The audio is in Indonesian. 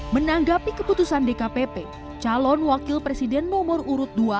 menanggapi keputusan dkpp calon wakil presiden nomor urut dua